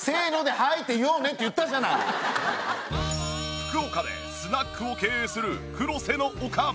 福岡でスナックを経営する黒瀬のおかん。